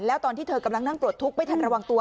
แล้วตอนที่เธอกำลังนั่งปลดทุกข์ไม่ทันระวังตัว